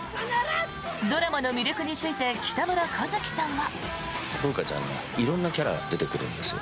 ドラマの魅力について北村一輝さんは。